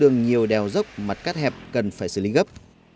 đường nhiều đèo dốc mặt cắt hẹp cần phải xử lý gấp